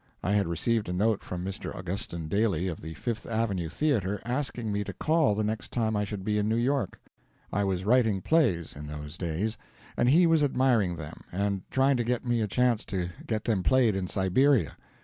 I had received a note from Mr. Augustin Daly of the Fifth Avenue Theatre, asking me to call the next time I should be in New York. I was writing plays, in those days, and he was admiring them and trying to get me a chance to get them played in Siberia.